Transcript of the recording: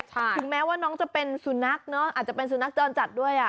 ถึงแม้ว่าน้องจะเป็นสุนัขเนอะอาจจะเป็นสุนัขจรจัดด้วย